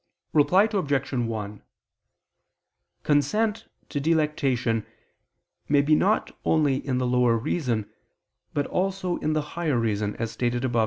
Reply Obj. 1: Consent to delectation may be not only in the lower reason, but also in the higher reason, as stated above (A.